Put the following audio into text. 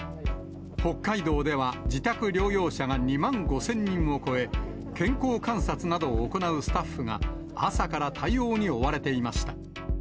北海道では、自宅療養者が２万５０００人を超え、健康観察などを行うスタッフが朝から対応に追われていました。